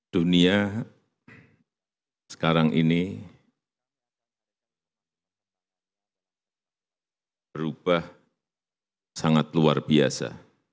dunia sekarang ini berubah sangat luar biasa